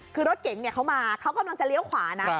คือรถเก๋งเขามาเขากำลังจะเลี้ยวขวานะ